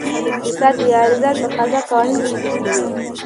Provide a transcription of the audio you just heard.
اقتصاد د عرضه او تقاضا قوانین تشریح کوي.